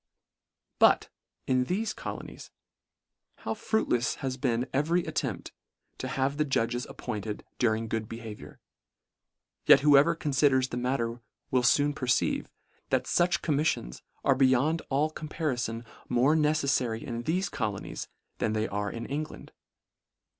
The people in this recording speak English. But, in thefe colonies, how fruitlefs has been every attempt to have the judges ap pointed during good behaviour ; yet whoe ver confiders the matter will foon perceive, that fuch commiSfions are beyond all com parifon more neceSfary in thefe colonies, than they are in England.